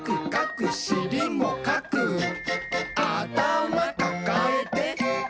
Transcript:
「あたまかかえて」